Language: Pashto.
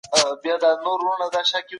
عامه ګټي د څو اشخاصو تر ګټو زياتي مهمي دي.